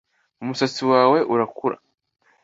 umusatsi wawe urakura